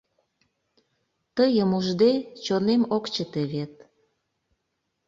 Тыйым ужде, чонем ок чыте вет!